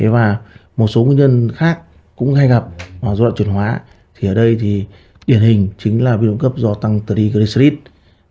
và một số nguyên nhân khác cũng hay gặp dù là truyền hóa thì ở đây thì điển hình chính là biến tụy cấp do tăng triglycerides